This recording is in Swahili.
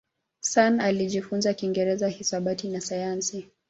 Sun alijifunza Kiingereza, hisabati na sayansi.